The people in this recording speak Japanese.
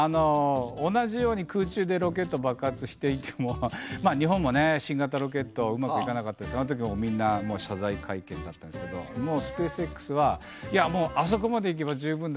同じように空中でロケット爆発していても日本もね新型ロケットうまくいかなかったですけどあのときみんな謝罪会見になったんですけどもうスペースＸは「いやもうあそこまで行けば十分だ」と。